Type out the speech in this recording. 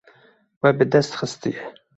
We bi dest xistiye.